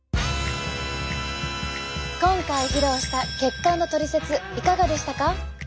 今回披露した血管のトリセツいかがでしたか？